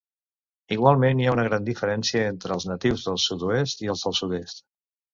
Igualment, hi ha una gran diferència entre els natius del sud-oest i els del sud-est.